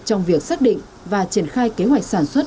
trong việc xác định và triển khai kế hoạch sản xuất